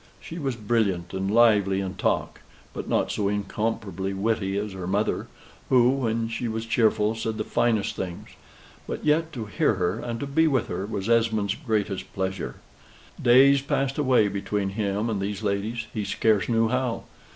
She was brilliant and lively in talk, but not so incomparably witty as her mother, who, when she was cheerful, said the finest things; but yet to hear her, and to be with her, was Esmond's greatest pleasure. Days passed away between him and these ladies, he scarce knew how.